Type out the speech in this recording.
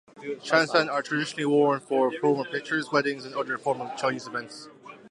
"Changshan" are traditionally worn for formal pictures, weddings, and other formal Chinese events.